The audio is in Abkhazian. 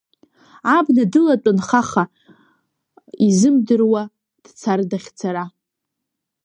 Абна дылатәан хаха, изымдыруа дцар дахьцара.